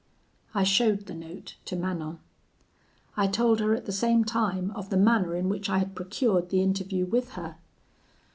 "I showed the note to Manon; I told her at the same time of the manner in which I had procured the interview with her.